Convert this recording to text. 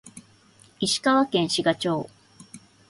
石川県志賀町